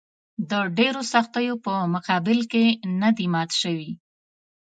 د ډېرو سختیو په مقابل کې نه دي مات شوي.